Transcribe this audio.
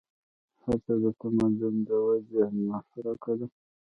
هڅه د تمدن د ودې محرک ده.